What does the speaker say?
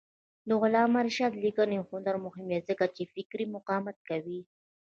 د علامه رشاد لیکنی هنر مهم دی ځکه چې فکري مقاومت کوي.